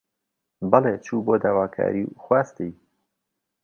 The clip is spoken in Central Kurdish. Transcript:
بەڵی، چوو بۆ داواکاری و خواستی